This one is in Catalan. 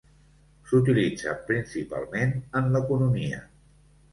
S'utilitzen principalment en l'economia.